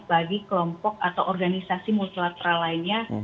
bagi kelompok atau organisasi multilateral lainnya